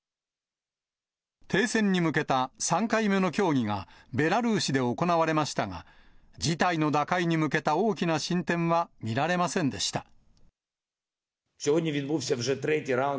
停戦に向けた３回目の協議がベラルーシで行われましたが、事態の打開に向けた大きな進展は見られませんでした。